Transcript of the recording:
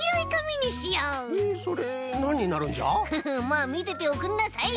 まあみてておくんなさい。